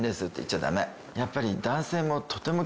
やっぱり。